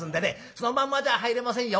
そのまんまじゃ入れませんよ。